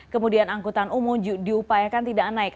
kemudian angkutan umum diupayakan tidak naik